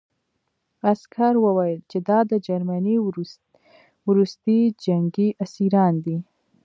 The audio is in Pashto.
عسکر وویل چې دا د جرمني وروستي جنګي اسیران دي